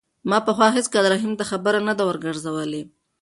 ما پخوا هېڅکله رحیم ته خبره نه ده ورګرځولې.